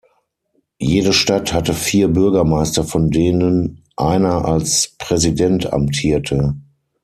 Jede Stadt hatte vier Bürgermeister, von denen einer als "Präsident" amtierte.